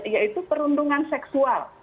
yaitu perundungan seksual